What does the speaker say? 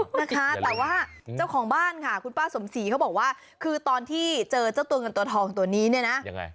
นะคะแต่ว่าเจ้าของบ้านค่ะคุณป้าสมศรีเขาบอกว่าคือตอนที่เจอเจ้าตัวเงินตัวทองตัวนี้เนี่ยนะยังไง